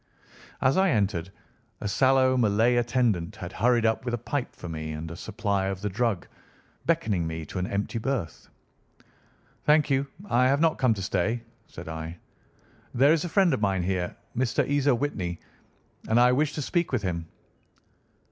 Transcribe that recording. As I entered, a sallow Malay attendant had hurried up with a pipe for me and a supply of the drug, beckoning me to an empty berth. "Thank you. I have not come to stay," said I. "There is a friend of mine here, Mr. Isa Whitney, and I wish to speak with him."